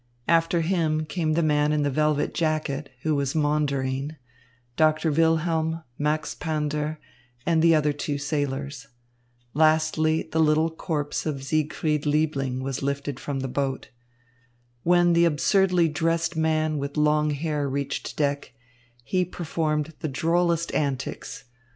After him came the man in the velvet jacket, who was maundering, Doctor Wilhelm, Max Pander, and the other two sailors. Lastly the little corpse of Siegfried Liebling was lifted from the boat. When the absurdly dressed man with long hair reached deck, he performed the drollest antics.